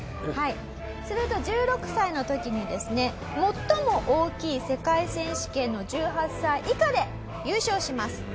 すると１６歳の時にですね最も大きい世界選手権の１８歳以下で優勝します。